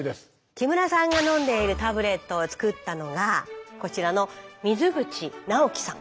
木村さんが飲んでいるタブレットを作ったのがこちらの水口直樹さん。